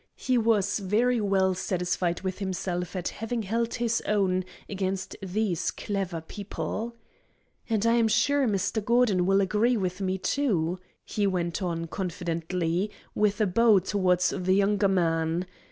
He was very well satisfied with himself at having held his own against these clever people. "And I am sure Mr. Gordon will agree with me, too," he went on, confidently, with a bow towards the younger man.